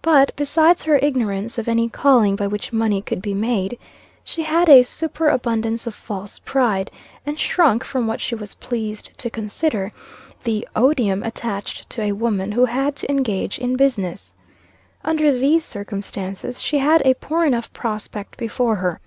But, besides her ignorance of any calling by which money could be made, she had a superabundance of false pride, and shrunk from what she was pleased to consider the odium attached to a woman who had to engage in business. Under these circumstances, she had a poor enough prospect before her.